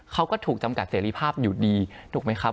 เขาก็ถูกจำกัดเสรีภาพอยู่ดีถูกไหมครับ